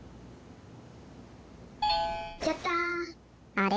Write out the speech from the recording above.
あれ？